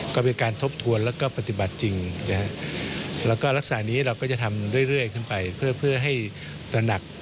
ก็เป็นการทบทวนและลักษณะจริงก็จะทำเรื่อยเพื่อให้ตระหนัก